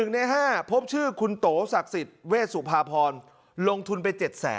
ใน๕พบชื่อคุณโตศักดิ์สิทธิ์เวชสุภาพรลงทุนไป๗๐๐